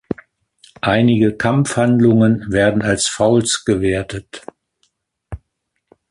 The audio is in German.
Einige Kampfhandlungen werden als Fouls gewertet.